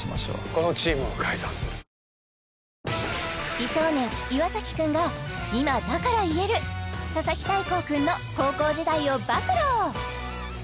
美少年岩くんが今だから言える佐々木大光くんの高校時代を暴露！